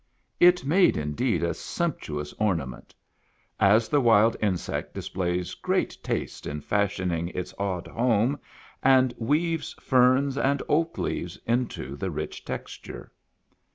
It made indeed a sumptuous orna ment ; as the wild insect displays great taste in fash ioning its odd home, and weaves ferns and oak leaves into the rich texture.